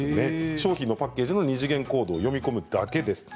商品のパッケージの２次元コードを読むだけです。